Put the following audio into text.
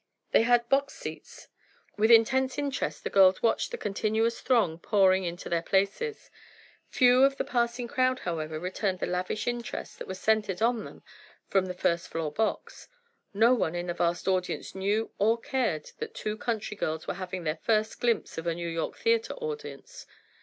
They had box seats. With intense interest the girls watched the continuous throng pouring into their places. Few of the passing crowd, however, returned the lavish interest that was centered on them from the first floor box; no one in the vast audience knew or cared that two country girls were having their first glimpse of a New York theatre audience.